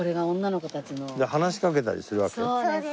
話しかけたりするわけ？